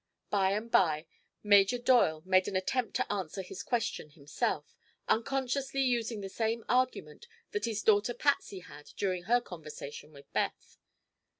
By and by Major Doyle made an attempt to answer his question himself, unconsciously using the same argument that his daughter Patsy had during her conversation with Beth.